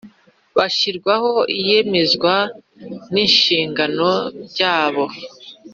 Bashyirwaho iyemezwa n inshingano byabo